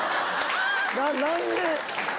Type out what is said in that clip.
何で？